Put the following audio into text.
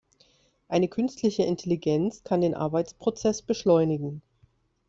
Eine künstliche Intelligenz kann den Arbeitsprozess beschleunigen.